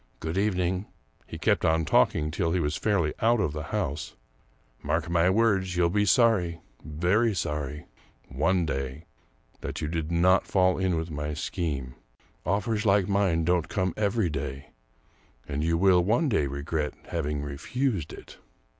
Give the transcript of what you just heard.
" Good evening "— he kept on talking till he was fairly out of the house —" mark my words, you'll be sorry — very sorry — one day that you did not fall in with my scheme. Offers like mine don't come every day, and you will one day regret having refused it."